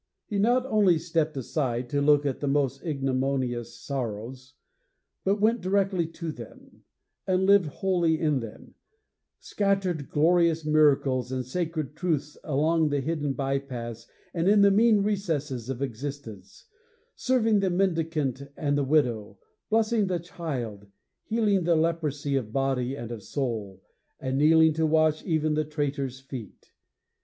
He not simply stepped aside to look at the most ignominious sorrows, but went directly to them, and lived wholly in them; scattered glorious miracles and sacred truths along the hidden by paths and in the mean recesses of existence; serving the mendicant and the widow, blessing the child, healing the leprosy of body and of soul, and kneeling to wash even the traitor's feet.'